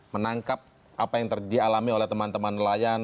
menangkap apa yang dialami oleh teman teman nelayan